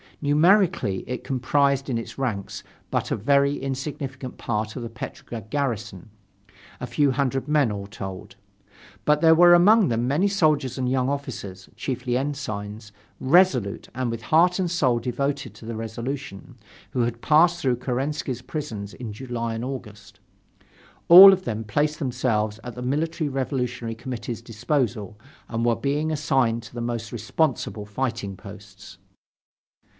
Numerically it comprised in its ranks but a very insignificant part of the Petrograd garrison, a few hundred men all told. But there were among them many soldiers and young officers, chiefly ensigns, resolute, and with heart and soul devoted to the Revolution, who had passed through Kerensky's prisons in July and August. All of them had placed themselves at the Military Revolutionary Committee's disposal and were being assigned to the most responsible fighting posts.